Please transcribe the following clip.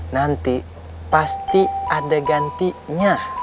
nanti pasti ada gantinya